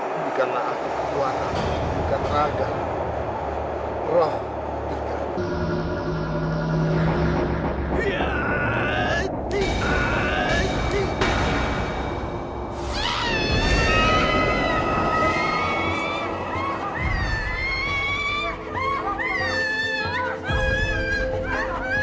berikanlah aku kekuatanmu